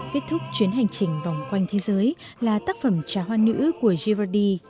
kết thúc chuyến hành trình vòng quanh thế giới là tác phẩm trà hoa nữ của gradi